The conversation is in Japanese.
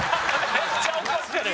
「めっちゃ怒ってる」